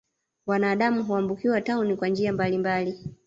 Wanadamu huambukiwa tauni kwa njia mbalimbali